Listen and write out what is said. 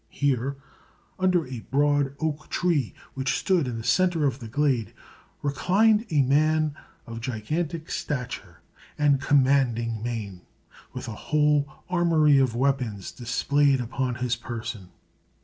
Here, under a broad oak tree which stood in the centre of the glade, reclined a man of gigantic stature and commanding mien, with a whole armory of weapons displayed upon his person.